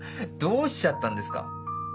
どうしちゃったんですか。